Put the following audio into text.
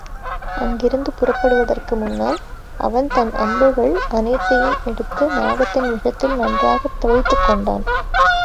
அங்கிருந்து புறப்படுவதற்கு முன்னால், அவன் தன் அம்புகள் அனைத்தையும் எடுத்து நாகத்தின் விஷத்தில் நன்றாக, தோய்த்துக் கொண்டான்.